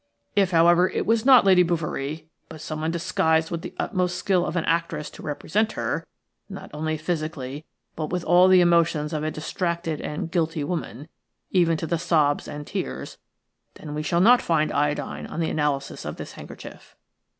If, however, it was not Lady Bouverie, but someone disguised with the utmost skill of an actress to represent her, not only physically, but with all the emotions of a distracted and guilty woman, even to the sobs and tears – then we shall not find iodine on the analysis of this handkerchief."